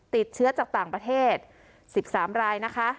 ติดเชื้อจากต่างประเทศ๑๓รายนะคะ